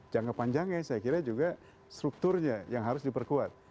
jangka panjangnya saya kira juga strukturnya yang harus diperkuat